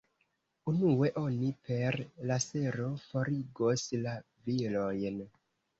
Unue oni per lasero forigos la vilojn.